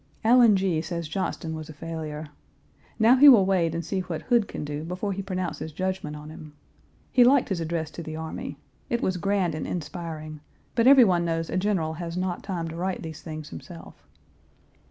Allen G. says Johnston was a failure. Now he will wait and see what Hood can do before he pronounces judgment on him. He liked his address to his army. It was grand and inspiring, but every one knows a general has not time to write these things himself.